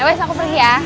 ya wes aku pergi ya